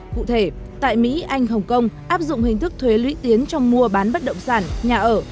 cụ thể tại mỹ anh hồng kông áp dụng hình thức thuế lũy tiến trong mua bán bất động sản nhà ở